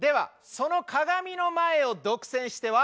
その鏡の前を独占しては。